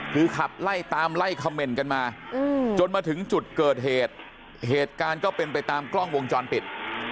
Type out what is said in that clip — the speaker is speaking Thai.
คือขับไล่ตามไล่คำเมนต์กันมาจนมาถึงจุดเกิดเหตุเหตุการณ์ก็เป็นไปตามกล้องวงจรปิด